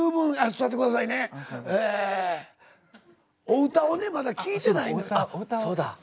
お歌をねまだ聴いてないのよ。